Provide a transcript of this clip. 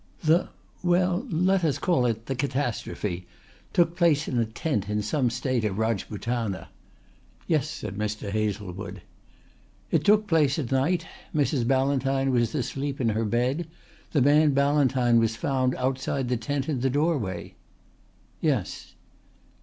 "The well let us call it the catastrophe took place in a tent in some state of Rajputana." "Yes," said Mr. Hazlewood. "It took place at night. Mrs. Ballantyne was asleep in her bed. The man Ballantyne was found outside the tent in the doorway." "Yes."